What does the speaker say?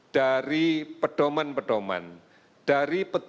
dan kemudian yang keempat kita harus melakukan pergerakan menuju ke rumah sakit